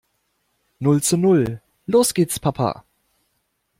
Null zu null. Los geht's Papa!